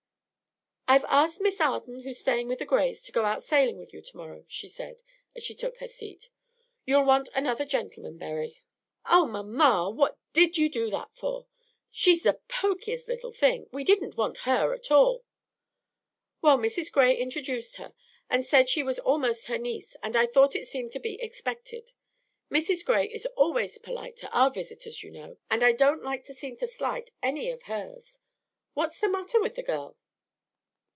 "I've asked that Miss Arden who's staying with the Grays to go out sailing with you to morrow," she said, as she took her seat. "You'll want another gentleman, Berry." "Oh, mamma, what did you do that for? She's the pokiest little thing. We didn't want her at all." "Well, Mrs. Gray introduced her, and said she was almost her niece, and I thought it seemed to be expected. Mrs. Gray is always polite to our visitors, you know, and I don't like to seem to slight any of hers. What's the matter with the girl?"